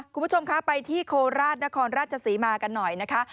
คุณผู้ชมคะไปที่โคราชนครราชศรีมากันหน่อยนะคะ